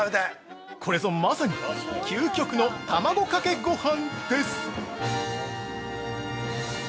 これぞ、まさに究極の卵かけごはんです！